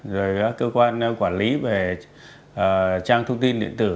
rồi các cơ quan quản lý về trang thông tin điện tử